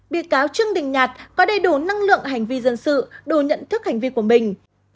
bị cáo trương đình nhạt có đầy đủ năng lượng hành vi dân sự đủ nhận thức hành vi của mình